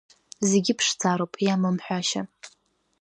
Зегь ԥшӡароуп, иамам ҳәашьа!